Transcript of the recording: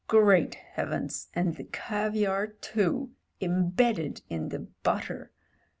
"Great Heavens! and the caviar too — ^imbedded in the butter.